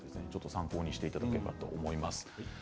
参考にしていただければと思います。